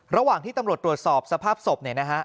ระหว่างที่ตำรวจตรวจสอบสภาพศพ